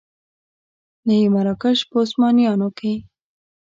نه یې مراکش په عثمانیانو کې.